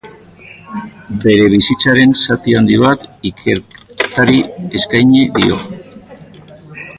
Bere bizitzaren zati handi bat ikerketari eskaini dio.